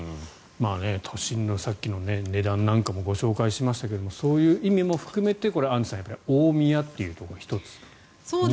都心のさっきの値段なんかもご紹介しましたがそういう意味も含めてアンジュさん大宮というところが１つ、人気のポイント。